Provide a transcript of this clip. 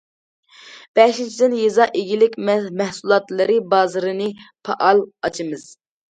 بەشىنچىدىن، يېزا ئىگىلىك مەھسۇلاتلىرى بازىرىنى پائال ئاچىمىز.